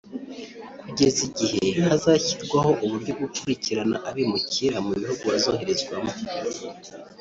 kugeza igihe hazashyirwaho uburyo bwo gukurikirana abimukira mu bihugu bazoherezwamo